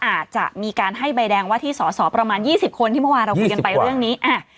อาจจะมีการให้ใบแดงว่าที่สอสอประมาณ๒๐คนที่เมื่อวานเราคุยกันไปเรื่องนี้